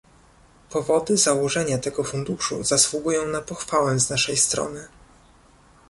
Powody założenia tego funduszu zasługują na pochwałę z naszej strony